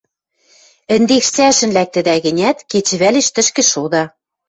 Ӹндекш цӓшӹн лӓктӹдӓ гӹнят, кечывӓлеш тӹшкӹ шода.